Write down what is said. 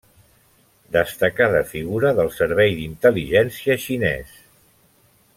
Destacada figura del Servei d'Intel·ligència xinès.